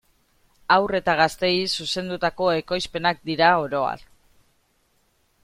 Haur eta gazteei zuzendutako ekoizpenak dira oro har.